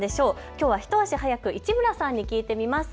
きょうは一足早く市村さんに聞いてみます。